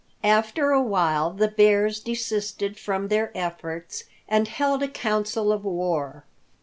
After a while the bears desisted from their efforts and held a council of war.